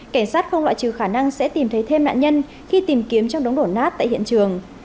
cảnh sát không loại trừ khả năng sẽ tìm thấy thêm nạn nhân khi tìm kiếm trong đống đổ nát tại hiện trường